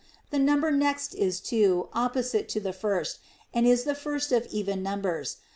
The number next is two, opposite to the first, and is the first of even numbers.